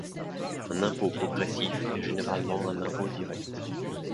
Un impôt progressif est généralement un impôt direct.